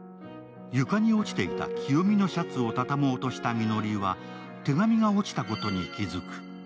床に落ちていた清美のシャツを畳もうとしたみのりは手紙が落ちたことに気づく。